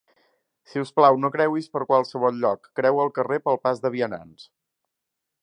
Si us plau, no creuis per qualsevol lloc, creua el carrer pel pas de vianants